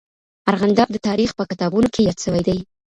ارغنداب د تاریخ په کتابونو کې یاد سوی دی.